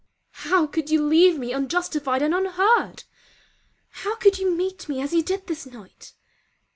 How could you leave me unjustified and unheard? How could you meet me as you did this night?